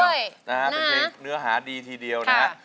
เป็นเพลงเนื้อหาดีทีเดียวนะครับ